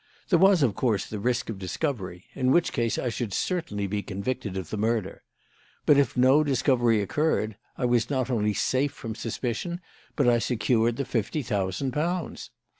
There was, of course, the risk of discovery, in which case I should certainly be convicted of the murder. But if no discovery occurred, I was not only safe from suspicion, but I secured the fifty thousand pounds.